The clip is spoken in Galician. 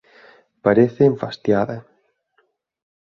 Parece enfastiada–.